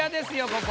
ここ。